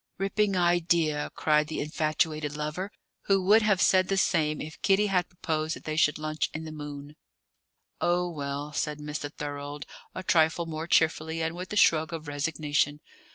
"Ripping idea!" cried the infatuated lover, who would have said the same if Kitty had proposed they should lunch in the moon. "Oh, well," said Mr. Thorold, a trifle more cheerfully, and with a shrug of resignation.